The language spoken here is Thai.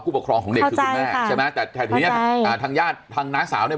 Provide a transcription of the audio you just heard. ปกครองของเด็กคือคุณแม่ใช่ไหมแต่แต่ทีเนี้ยอ่าทางญาติทางน้าสาวเนี่ย